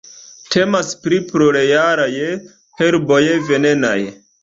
Temas pri plurjaraj herboj venenaj.